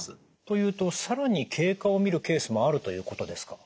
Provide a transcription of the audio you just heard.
というと更に経過を見るケースもあるということですか？